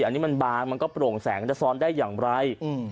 อันนี้มันบางมันก็โปร่งแสงจะซ้อนได้อย่างไร